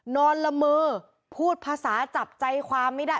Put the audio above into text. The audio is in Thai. ละเมอพูดภาษาจับใจความไม่ได้